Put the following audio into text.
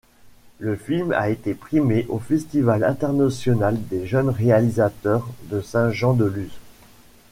Le film a été primé au Festival international des jeunes réalisateurs de Saint-Jean-de-Luz.